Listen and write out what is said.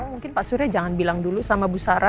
mungkin pak surya jangan bilang dulu sama bu sara